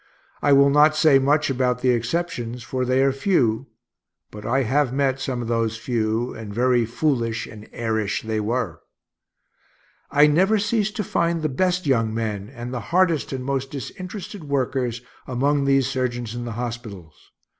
I will not say much about the exceptions, for they are few (but I have met some of those few, and very foolish and airish they were). I never ceased to find the best young men, and the hardest and most disinterested workers, among these surgeons, in the hospitals.